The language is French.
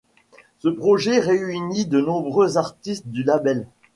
Ce projet réunit de nombreux artistes du label.